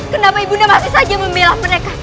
kenapa ibunda masih saja memilah mereka